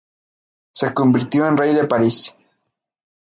Se convirtió en rey de París.